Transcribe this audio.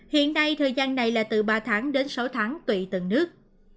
hiện nay thời gian này là từ ba tháng đến sáu tháng tùy từng nước